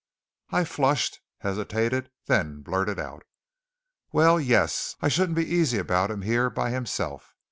I flushed, hesitated, then blurted out: "Well, yes. I shouldn't be easy about him here by himself.